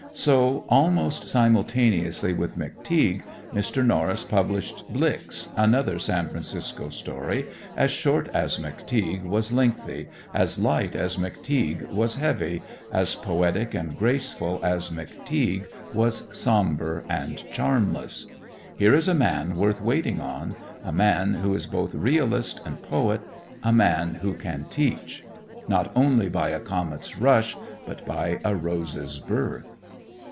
So, almost simultaneously with "McTeague," Mr. Norris published "Blix," another San Francisco story, as short as "McTeague" was lengthy, as light as "McTeague" was heavy, as poetic and graceful as "McTeague" was somber and charmless. Here is a man worth waiting on; a man who is both realist and poet, a man who can teach "Not only by a comet's rush, But by a rose's birth."